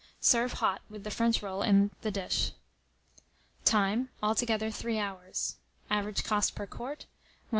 Serve hot, with the French roll in the dish. Time. Altogether 3 hours. Average cost per quart, 1s.